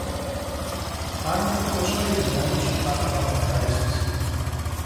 Αν και τόσο λυπημένος, τα έφαγα μ' ευχαρίστηση